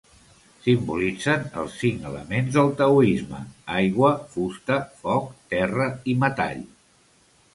Simbolitzen els cinc elements del taoisme: aigua, fusta, foc, terra i metall.